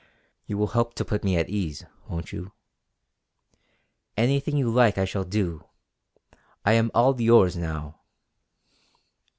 You will help to put me at ease, won't you?" "Anything you like I shall do. I am all yours now!"